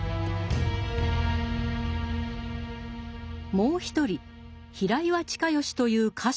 もう一人平岩親吉という家臣が登場する。